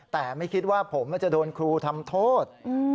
แต่ไม่คิดว่าผมจะโดนครูทำโทษ